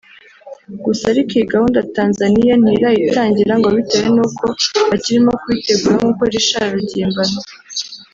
Gusa ariko iyi gahunda Tanzaniya ntirayitangira ngo bitewe n’uko bakirimo kubitegura nk’uko Richard Rugimbana